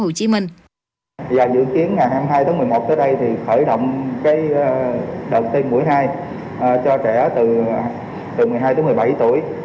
dự kiến ngày hai mươi hai một mươi một tới đây thì khởi động đợt tiêm mũi hai cho trẻ từ một mươi hai một mươi bảy tuổi